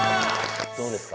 どうですか？